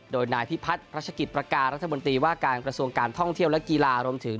โดยนายพิพัฒน์รัชกิจประการรัฐมนตรีว่าการกระทรวงการท่องเที่ยวและกีฬารวมถึง